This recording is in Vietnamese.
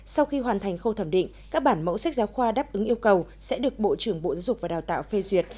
sau khi hoàn thành khâu thẩm định các bản mẫu sách giáo khoa đáp ứng yêu cầu sẽ được bộ trưởng bộ giáo dục và đào tạo phê duyệt